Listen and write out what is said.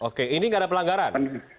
oke ini nggak ada pelanggaran